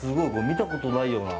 見たことのないような。